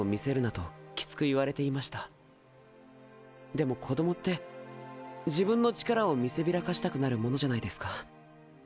でも子供って自分の力を見せびらかしたくなるものじゃないですか。